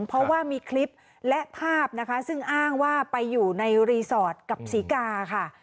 เพราะว่ามีคลิปและภาพนะคะซึ่งอ้างว่าไปอยู่ในรีสอร์ทกับศรีกาค่ะ